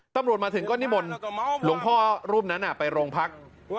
ตำรวจมาถึงก็นิมนต์หลวงพ่อรูปนั้นไปโรงพัก